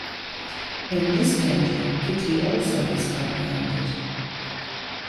In this danger Kitty also is comprehended.